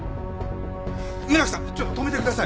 村木さんちょっと止めてください！